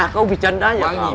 kau bicara nanya